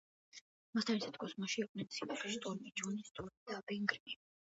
მასთან ერთად კოსმოსში იყვნენ სიუზი შტორმი, ჯონი შტორმი და ბენ გრიმი.